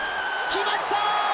決まった！